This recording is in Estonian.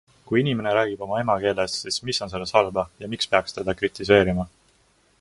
Kui inimene räägib oma emakeeles, siis mis on selles halba ja miks peaks teda kritiseerima?